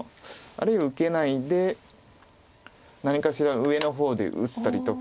あるいは受けないで何かしら上の方で打ったりとか。